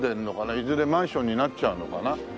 いずれマンションになっちゃうのかな？